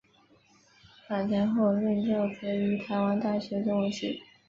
返台后任教则于台湾大学中文系。